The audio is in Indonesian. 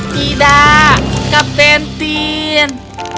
tidak kapten tim